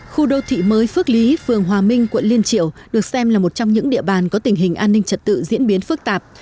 khu đô thị mới phước lý phường hòa minh quận liên triều được xem là một trong những địa bàn có tình hình an ninh trật tự diễn biến phức tạp